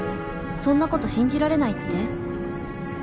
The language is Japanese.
そんなこと信じられないって？